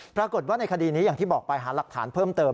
ปรากฏว่าในคดีนี้อย่างที่บอกไปหาหลักฐานเพิ่มเติม